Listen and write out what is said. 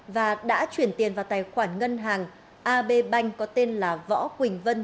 và đã chuyển tiền vào tài khoản ngân hàng ab bank có tên là võ quỳnh vân